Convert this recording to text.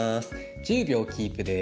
１０秒キープです。